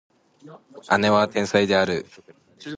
姉は天才である